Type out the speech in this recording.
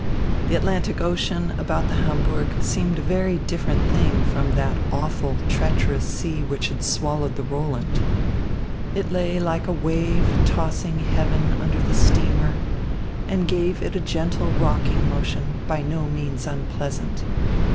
The Atlantic Ocean about the Hamburg seemed a very different thing from that awful, treacherous sea which had swallowed the Roland. It lay like a wave tossing heaven under the steamer, and gave it a gentle rocking motion, by no means unpleasant.